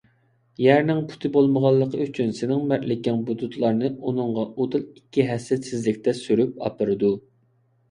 يەرنىڭ پۇتى بولمىغانلىقى ئۈچۈن سېنىڭ مەردلىكىڭ بۇلۇتلارنى ئۇنىڭغا ئۇدۇل ئىككى ھەسسە تېزلىكتە سۈرۈپ ئاپىرىدۇ.